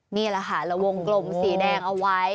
นี่แหละค่ะระวงกลมสีแดงเอาไว้